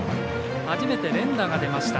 初めて連打が出ました。